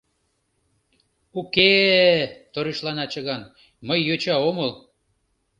— Уке-э, — торешлана чыган, — мый йоча омыл...